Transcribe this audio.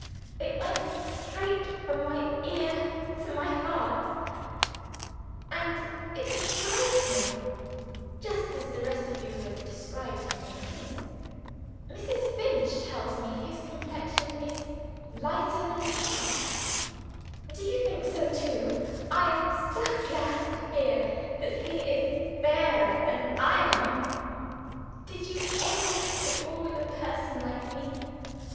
It went straight from my ear to my heart; and it described him, just as the rest of you have described him to me since. Mrs. Finch tells me his complexion is lighter than mine. Do you think so too? I am so glad to hear that he is fairer than I am! Did you ever meet before with a person like me?